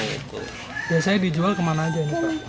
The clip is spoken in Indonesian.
biasanya dijual ke mana saja